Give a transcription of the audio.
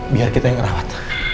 biar kita yang ngerawat